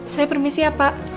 saya permisi ya pak